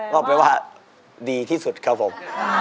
ก็แปลว่าดีที่สุดครับผม